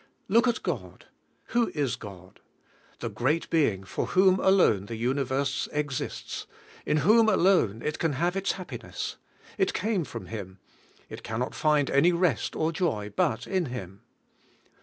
Look at God. Who is God? The great Being for whom alone the universe exists; in whom alone it can have its happiness. It came from Him. It can not find any rest or joy but in Him.